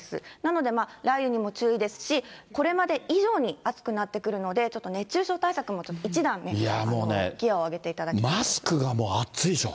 なので、雷雨にも注意ですし、これまで以上に暑くなってくるので、ちょっと熱中症対策も、一段、マスクがもう暑いでしょ。